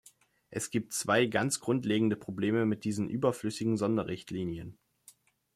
Es gibt zwei ganz grundlegende Probleme mit diesen überflüssigen Sonderrichtlinien.